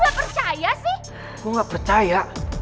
gue gak percaya gue gak percaya